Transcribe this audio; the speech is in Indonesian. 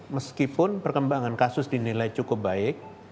meskipun perkembangan kasus dinilai cukup baik